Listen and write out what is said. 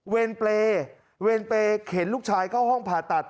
เวรเปเค็นลูกชายเข้าห้องผ่าตัด